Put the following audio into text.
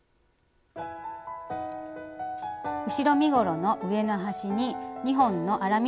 後ろ身ごろの上の端に２本の粗ミシンをかけます。